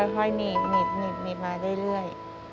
ค่อยหนีบมาเรื่อย